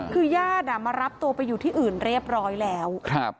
คือญาติมารับตัวไปอยู่ที่อื่นเรียบร้อยแล้ว